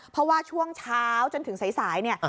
เพราะว่าช่วงเช้าจนถึงสายเนี่ย